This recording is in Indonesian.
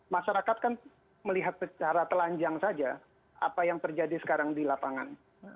masyarakat kan melihat secara telanjang saja apa yang terjadi sekarang di lapangan